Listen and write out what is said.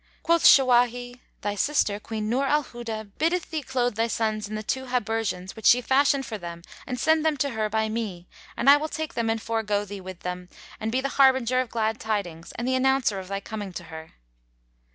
Quoth Shawahi, "Thy sister, Queen Nur al Huda, biddeth thee clothe thy sons in the two habergeons which she fashioned for them and send them to her by me, and I will take them and forego thee with them and be the harbinger of glad tidings and the announcer of thy coming to her."